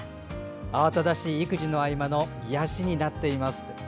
慌ただしい育児の合間の癒やしになっています。